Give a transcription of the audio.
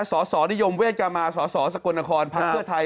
สศนิยมเวชกรรมาสศสกลนครภักดิ์เพื่อไทย